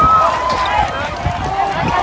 สวัสดีครับทุกคน